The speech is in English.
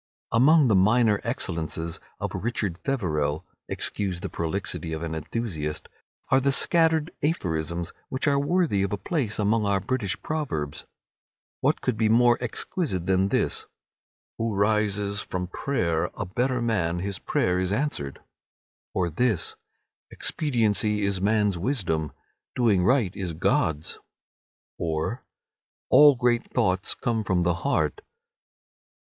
Among the minor excellences of "Richard Feverel"—excuse the prolixity of an enthusiast—are the scattered aphorisms which are worthy of a place among our British proverbs. What could be more exquisite than this, "Who rises from prayer a better man his prayer is answered"; or this, "Expediency is man's wisdom. Doing right is God's"; or, "All great thoughts come from the heart"?